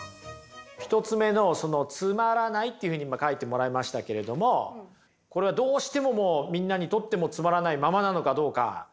１つ目のその「つまらない」っていうふうに今書いてもらいましたけれどもこれはどうしてももうみんなにとってもつまらないままなのかどうか。